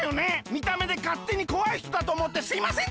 みためでかってにこわいひとだとおもってすいませんでした！